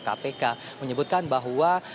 kpk menyebutkan bahwa